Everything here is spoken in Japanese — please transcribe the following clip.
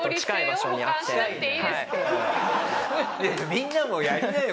みんなもやりなよ！